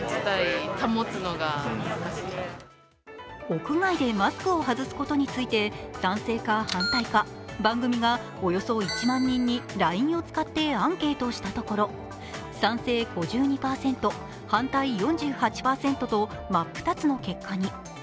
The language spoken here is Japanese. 屋外でマスクを外すことについて賛成か反対か番組がおよそ１万人にＬＩＮＥを使ってアンケートをしたところ賛成５２％、反対４８％と真っ二つの結果に。